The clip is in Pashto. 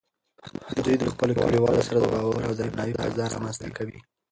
دوی د خپلو کلیوالو سره د باور او درناوي فضا رامینځته کوي.